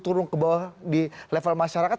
turun ke bawah di level masyarakat